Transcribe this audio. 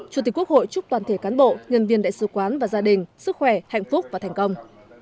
chủ tịch quốc hội chúc toàn thể cán bộ nhân viên đại sứ quán và gia đình sức khỏe hạnh phúc và thành công